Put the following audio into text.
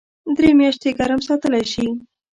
درې میاشتې ګرم ساتلی شي .